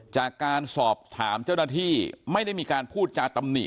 จากการสอบถามเจ้าหน้าที่ไม่ได้มีการพูดจาตำหนิ